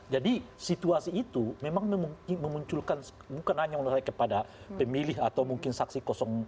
jadi situasi itu memang memunculkan bukan hanya kepada pemilih atau mungkin saksi dua